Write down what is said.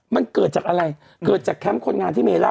มันเกิดจากอะไรเกิดจากแคมป์คนงานที่เมเล่า